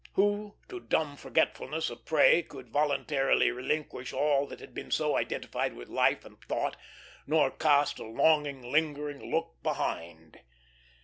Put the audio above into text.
Who to dumb forgetfulness a prey could voluntarily relinquish all that had been so identified with life and thought, nor cast a longing, lingering look behind?